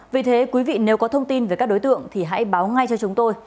vì thế quý vị nếu có thông tin về các đối tượng thì hãy báo ngay cho chúng tôi